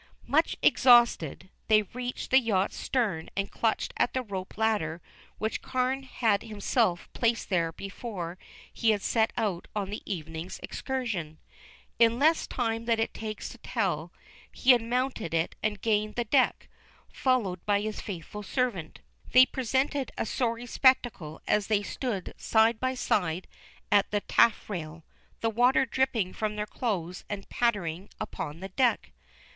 Much exhausted, they reached the yacht's stern and clutched at the rope ladder which Carne had himself placed there before he had set out on the evening's excursion. In less time than it takes to tell, he had mounted it and gained the deck, followed by his faithful servant. They presented a sorry spectacle as they stood side by side at the taffrail, the water dripping from their clothes and pattering upon the deck.